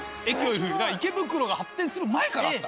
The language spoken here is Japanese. だから池袋が発展する前からあった。